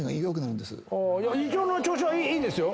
胃腸の調子はいいですよ。